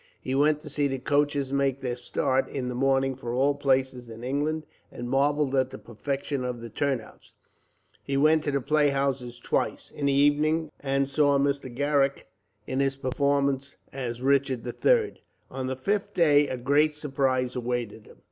He went to see the coaches make their start, in the morning, for all places in England, and marvelled at the perfection of the turnouts. He went to the playhouses twice, in the evening, and saw Mr. Garrick in his performance as Richard the Third. On the fifth day, a great surprise awaited him.